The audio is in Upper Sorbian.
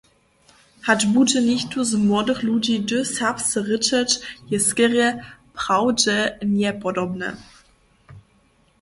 Hač budźe něchtó z młodych ludźi hdy serbsce rěčeć, je skerje prawdźenjepodobne.